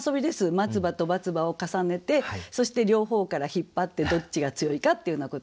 松葉と松葉を重ねてそして両方から引っ張ってどっちが強いかっていうようなことなんですよね。